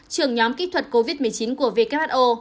trưởng nhóm kỹ thuật covid một mươi chín của who